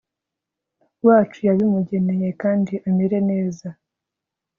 wacu yabimugeneye, kandi amere neza